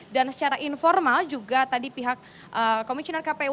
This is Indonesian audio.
dan secara informal juga tadi pihak komisioner kpu